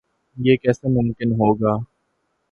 یہ کیسے ممکن ہو گا؟